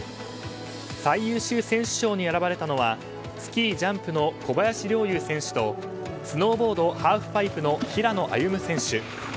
最優秀選手賞に選ばれたのはスキージャンプの小林陵侑選手とスノーボード・ハーフパイプの平野歩夢選手。